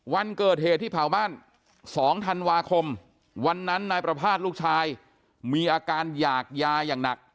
วันเกิดเหตุที่เผาบ้าน๒ธันวาคมวันนั้นนายประภาษณ์ลูกชายมีอาการหยากยาอย่างหนัก